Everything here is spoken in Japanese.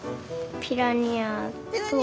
ピラニア！